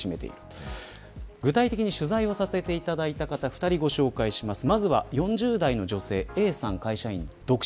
具体的に取材をさせていただいた方２人ご紹介します。